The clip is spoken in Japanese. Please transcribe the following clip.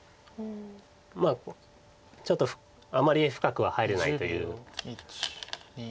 まあちょっとあまり深くは入れないということです。